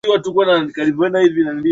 endapo utataka kuupanda chini ya siku hizo